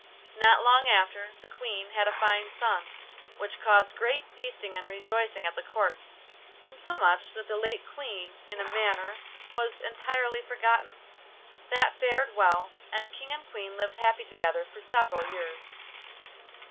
Not long after, the Queen had a fine son, which caused great feasting and rejoicing at the Court, insomuch that the late Queen, in a manner, was entirely forgotten. That fared well, and King and Queen lived happy together for several years.